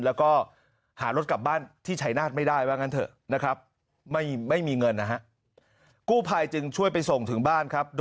แล้วก็หารถกลับบ้านที่ชัยนาธไม่ได้ว่างั้นเถอะนะครับ